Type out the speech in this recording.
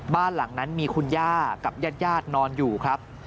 บ้านหลังนั้นมีคุณย่ากับญาตินอนอยู่ครับ